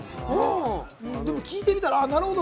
でも聞いてみたら、なるほど！